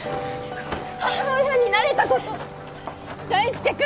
母親になれたこと大輔君